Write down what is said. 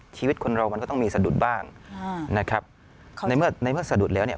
ชีวิตคนเรามันก็ต้องมีสะดุดบ้างนะครับในเมื่อในเมื่อสะดุดแล้วเนี่ย